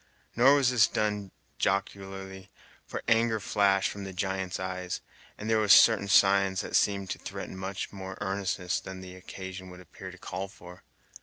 Nor was this done jocularly, for anger flashed from the giant's eyes, and there were certain signs that seemed to threaten much more earnestness than the occasion would appear to call for.